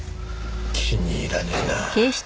気に入らねえなあ。